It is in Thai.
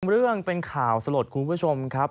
เรื่องเป็นข่าวสลดคุณผู้ชมครับ